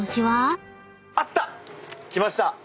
きました！